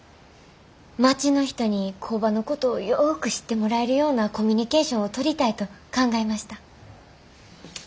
町の人に工場のことをよく知ってもらえるようなコミュニケーションを取りたいと考えました。